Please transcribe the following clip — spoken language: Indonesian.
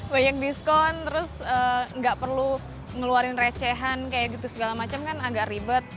banyak diskon terus nggak perlu ngeluarin recehan kayak gitu segala macam kan agak ribet